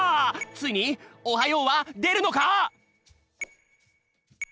ついに「おはよう」はでるのか！？